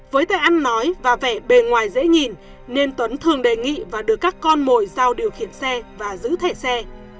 với thời ăn nói và vẻ bề ngoài dễ nhìn nên tuấn thường đề nghị và được các con mồi giao điều khiển xe và giữ thẻ xe